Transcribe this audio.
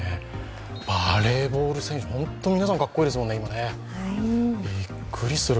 バレーボール選手、ホント皆さんかっこいいですもんね、今ね、びっくりする。